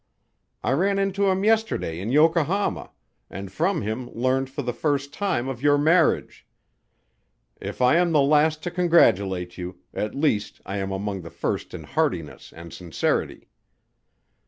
I ran into him yesterday in Yokohama and from him learned for the first time of your marriage. If I am the last to congratulate you, at least I am among the first in heartiness and sincerity....